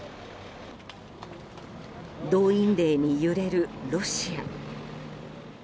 動員令に揺れるロシア。